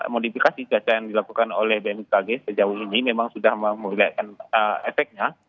modifikasi cuaca yang dilakukan oleh bmkg sejauh ini memang sudah memulihkan efeknya